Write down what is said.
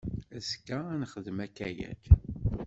Azekka ad nexdem akayad.